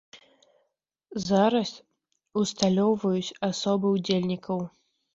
Зараз усталёўваюць асобы удзельнікаў.